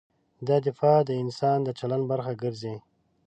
دا دفاع د انسان د چلند برخه ګرځي.